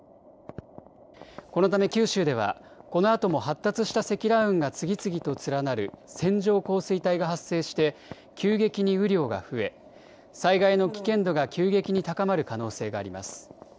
このため九州ではこのあとも発達した積乱雲が次々と連なる線状降水帯が発生して急激に雨量が増え災害の危険度が急激に高まる可能性があります。